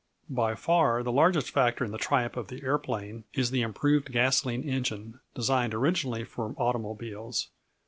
By far the largest factor in the triumph of the aeroplane is the improved gasoline engine, designed originally for automobiles.